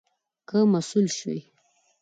که مسؤول شوې